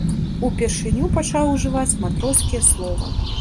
Упершыню пачаў ужываць матроскія словы.